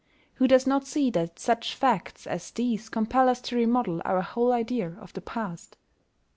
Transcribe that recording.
Who does not see that such facts as these compel us to remodel our whole idea of the past?